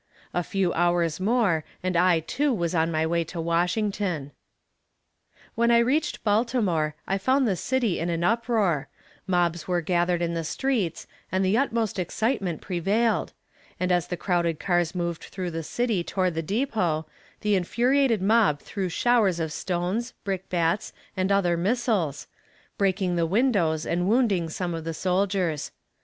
A few hours more, and I, too, was on my way to Washington. When I reached Baltimore I found the city in an uproar mobs were gathered in the streets and the utmost excitement prevailed: and as the crowded cars moved through the city toward the depot, the infuriated mob threw showers of stones, brickbats, and other missiles, breaking the windows and wounding some of the soldiers.